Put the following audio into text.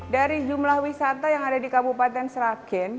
dari jumlah wisata yang ada di kabupaten seragen